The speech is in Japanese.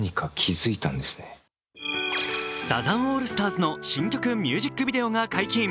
サザンオールスターズの新曲ミュージックビデオが解禁。